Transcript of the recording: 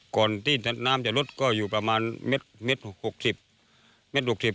ก่อนที่น้ำจะลดก็อยู่ประมาณเม็ดเม็ดหกสิบเม็ดหกสิบ